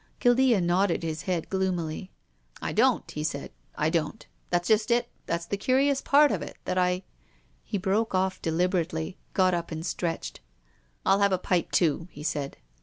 Guildea nodded his head gloomily. " I don't," he said, " I don't. That's just it. That's the curious part of it, that I " He broke off deliberately, got up and stretched. " I'll have a pipe, too," he said.